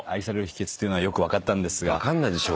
分かんないでしょ。